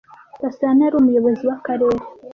Gasana yari umuyobozi w'akarere